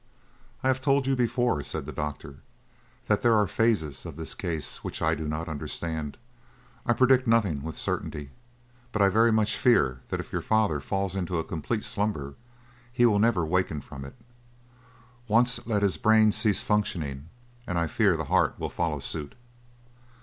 "I have told you before," said the doctor, "that there are phases of this case which I do not understand. I predict nothing with certainty. But I very much fear that if your father falls into a complete slumber he will never waken from it. Once let his brain cease functioning and I fear that the heart will follow suit."